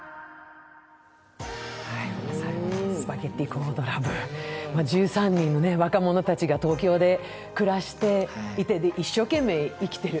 「スパゲッティコード・ラブ」、１３人の若者たちが東京で暮らして一生懸命生きてる。